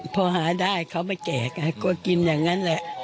พอหาได้เขาไปแจกก็กินอย่างนั้นแหละ